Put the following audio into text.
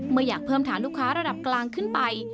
อยากเพิ่มฐานลูกค้าระดับกลางขึ้นไป